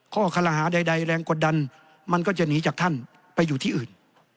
ข้อคารหาใดแรงกดดันมันก็จะหนีจากท่านไปอยู่ที่อื่น